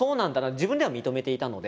自分では認めていたので。